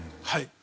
はい。